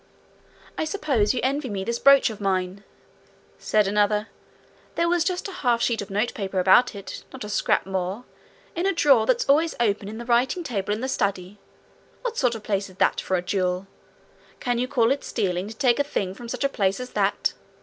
'I suppose you envy me this brooch of mine,' said another. 'There was just a half sheet of note paper about it, not a scrap more, in a drawer that's always open in the writing table in the study! What sort of a place is that for a jewel? Can you call it stealing to take a thing from such a place as that?